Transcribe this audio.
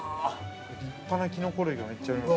立派なキノコ類がめっちゃあります。